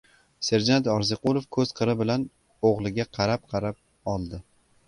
Serjant Orziqulov ko‘z qiri bilan o‘g‘liga qarab-qarab oldi.